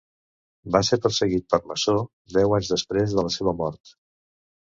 Va ser perseguit per maçó, deu anys després de la seva mort.